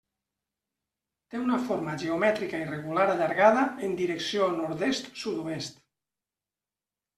Té una forma geomètrica irregular allargada en direcció nord-est sud-oest.